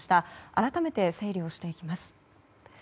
改めて整理をしていきます。